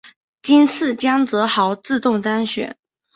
今次江泽濠自动当选。